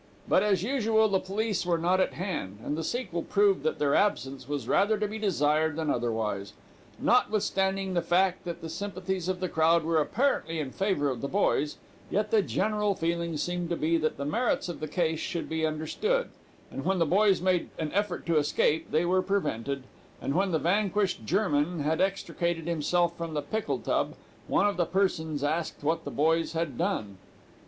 But, as usual, the police were not at hand, and the sequel proved that their absence was rather to be desired than otherwise. Notwithstanding the fact that the sympathies of the crowd were apparently in favor of the boys, yet the general feeling seemed to be that the merits of the case should be understood, and when the boys made an effort to escape, they were prevented; and when the vanquished German had extricated himself from the pickle tub, one of the persons asked what the boys had done.